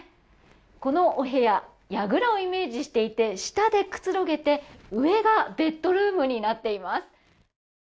このお部屋やぐらをイメージしていて下でくつろげて上がベッドルームになっています。